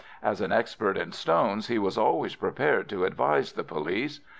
As an expert in stones he was always prepared to advise the police.